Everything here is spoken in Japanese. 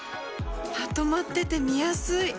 まとまってて見やすい！